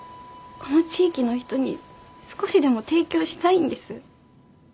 この地域の人に少しでも提供したいんです